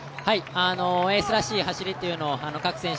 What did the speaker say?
エースらしい走りというのを各選手